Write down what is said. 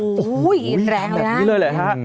โอ้โฮแบบนี้เลยแหละ